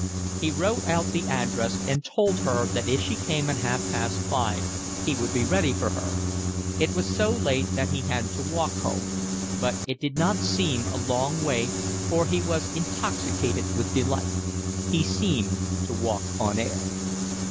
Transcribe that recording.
He wrote out the address and told her that if she came at half past five he would be ready for her. It was so late that he had to walk home, but it did not seem a long way, for he was intoxicated with delight; he seemed to walk on air.